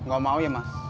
gak mau ya mas